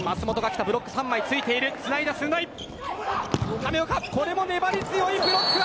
亀岡、これも粘り強いブロックだ。